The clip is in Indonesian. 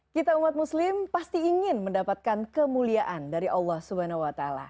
kita umat muslim pasti ingin mendapatkan kemuliaan dari allah swt